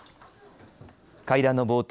会談の冒頭